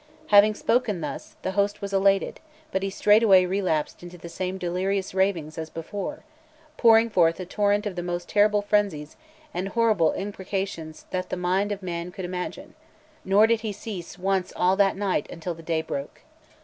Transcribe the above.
Having spoken thus, the host was elevated; but he straightway relapsed into the same delirious ravings as before, pouring forth a torrent of the most terrible frenzies and horrible imprecations that the mind of man could imagine; nor did he cease once all that night until the day broke.